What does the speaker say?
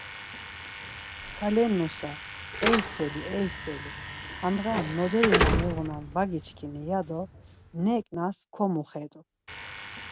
Kale nusa eiseli eiseli, handğa noderi na miğunan var giçkini ya do neǩnas komuxedu.